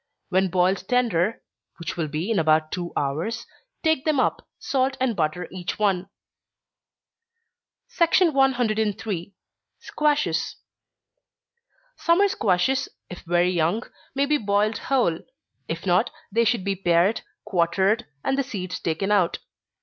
When boiled tender, (which will be in about two hours,) take them up, salt and butter each one. 103. Squashes. Summer squashes, if very young, may be boiled whole if not, they should be pared, quartered, and the seeds taken out.